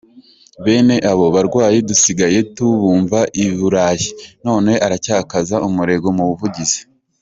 Bene abo barwayi dusigaye tubumva I Burayi, none aracyakaza umurego mu buvugizi.